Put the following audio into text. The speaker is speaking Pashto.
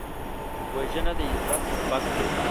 وژنه د عبرت سبق دی